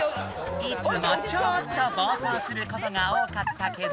いつもちょっと暴走することが多かったけど。